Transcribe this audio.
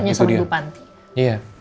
tanya sama ibu panti